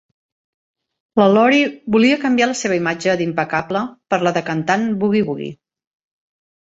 La Lorie volia canviar la seva imatge d'impecable per la de cantant bugui-bugui